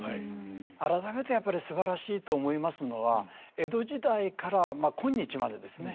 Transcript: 改めてやっぱりすばらしいと思いますのは江戸時代からまあ今日までですね